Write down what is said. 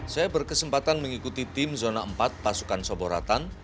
saya berkesempatan mengikuti tim zona empat pasukan soboratan